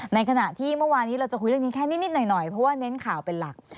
ในขณะที่เมื่อวานนี้เราจะคุยเรื่องนี้แค่นิดหน่อยเพราะว่าเน้นข่าวเป็นหลัก